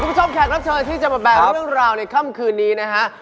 แขกรับเชิญที่จะมาแบกเรื่องราวในค่ำคืนนี้นะฮะ